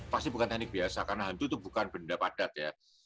pasti bukan teknik biasa karena hantu itu bukan benda padat ya